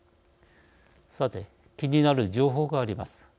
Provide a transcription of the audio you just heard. さて、気になる情報があります。